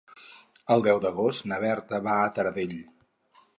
El deu d'agost na Berta va a Taradell.